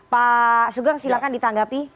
pak sugeng silahkan ditanggapi